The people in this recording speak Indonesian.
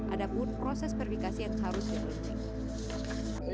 ada pun proses verifikasi yang harus dimiliki